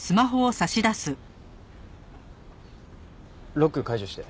ロック解除して。